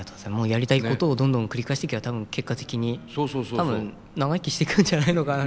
やりたいことをどんどん繰り返していけば多分結果的に長生きしていくんじゃないのかなって。